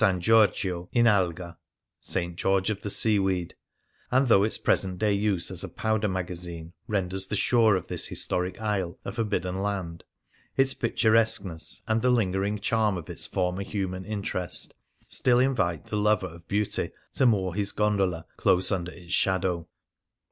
Giorgio in Alga (St. George of the Seaweed), and though its present day use as a powder magazine renders the shore of this historic isle a forbidden land, its picturesqueness and the lingering charm of its former human interest still invite the lover of beauty to moor his gondola close under its shadow.